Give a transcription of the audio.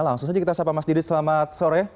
langsung saja kita sapa mas didis selamat sore